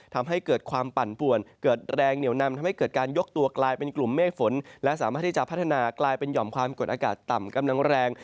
ทำให้เกิดความปั่นป่วนเกิดแรงเหนียวนำทำให้เกิดการยกตัวกลายเป็นกลุ่มเมฆฝนและสามารถที่จะพัฒนากลายเป็นหย่อมความกดอากาศต่ำกำลังแรง